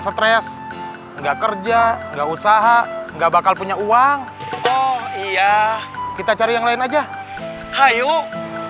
stress nggak kerja nggak usaha nggak bakal punya uang oh iya kita cari yang lain aja hayuk